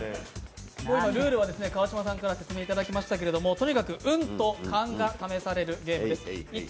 ルールは川島さんから説明いただきましたけれどもとにかく運と勘が試されるゲームです。